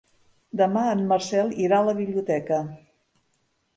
Demà en Marcel irà a la biblioteca.